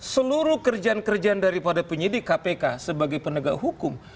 seluruh kerjaan kerjaan daripada penyidik kpk sebagai penegak hukum